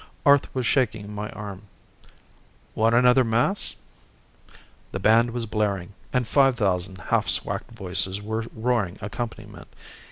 Arth was shaking my arm. "Want another mass?" The band was blaring, and five thousand half swacked voices were roaring accompaniment.